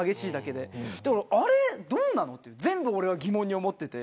でも、あれどうなのと全部疑問に思っていて。